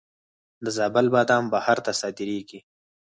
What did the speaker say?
د زابل بادام بهر ته صادریږي.